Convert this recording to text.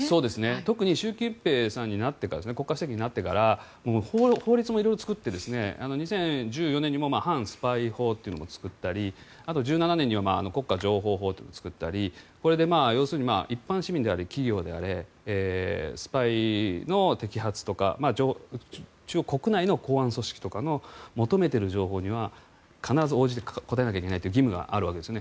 特に習近平国家主席になってから法律も色々作って２０１４年に反スパイ法というのも作ったりあと１７年には国家情報法というのを作ったりこれで要するに一般市民であれ企業であれスパイの摘発とか中国国内の公安組織とかの求めている情報には、必ず応じて答えなきゃいけないという義務があるわけですね。